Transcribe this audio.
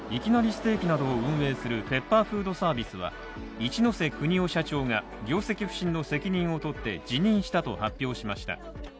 ステーキなどを運営するペッパーフードサービスは一瀬邦夫社長が業績不振の責任をとって辞任したと発表しました。